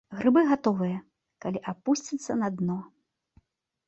Грыбы гатовыя, калі апусцяцца на дно.